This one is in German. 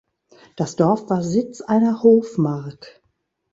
Das Dorf war Sitz einer Hofmark.